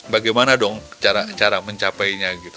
bagaimana dong cara mencapainya gitu